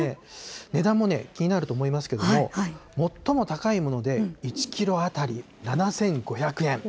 値段もね、気になると思いますけれども、最も高いもので１キロ当たり７５００円。